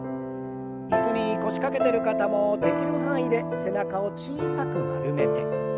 椅子に腰掛けてる方もできる範囲で背中を小さく丸めて。